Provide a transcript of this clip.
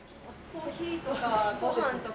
「コーヒーとかご飯とか」。